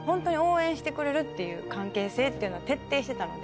してくれるっていう関係性っていうのは徹底してたので。